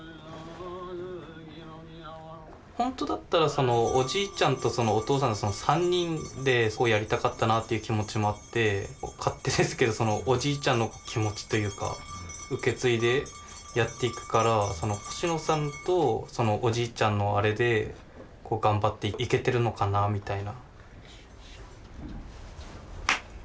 ほんとだったらおじいちゃんとお父さんの３人でやりたかったなっていう気持ちもあって勝手ですけどおじいちゃんの気持ちというか受け継いでやっていくから星野さんとおじいちゃんのあれで頑張っていけてるのかなみたいな。